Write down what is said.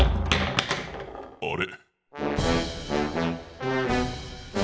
あれ？